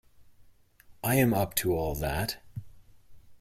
I am up to all that.